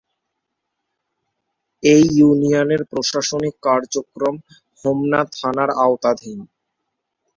এ ইউনিয়নের প্রশাসনিক কার্যক্রম হোমনা থানার আওতাধীন।